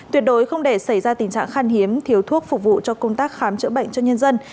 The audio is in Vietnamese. tuyệt đối không để xảy ra tình trạng khan hiếm thiếu thuốc phục vụ cho công tác khám chữa bệnh cho nhân dân